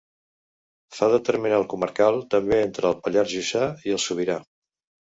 Fa de termenal comarcal també entre el Pallars Jussà i el Sobirà.